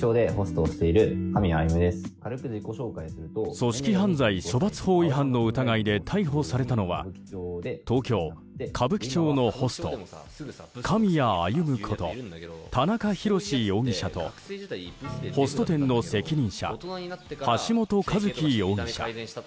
組織犯罪処罰法違反の疑いで逮捕されたのは東京・歌舞伎町のホスト狼谷歩こと田中裕志容疑者とホスト店の責任者橋本一喜容疑者。